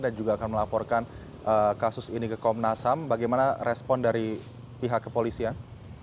dan juga akan melaporkan kasus ini ke komnasam bagaimana respon dari pihak kepolisian